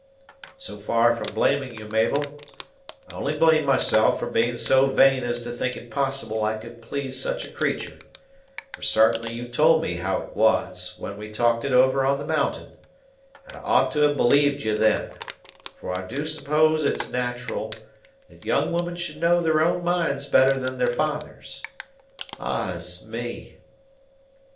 So far from blaming you, Mabel, I only blame myself for being so vain as to think it possible I could please such a creatur'; for sartainly you told me how it was, when we talked it over on the mountain, and I ought to have believed you then; for I do suppose it's nat'ral that young women should know their own minds better than their fathers. Ah's me!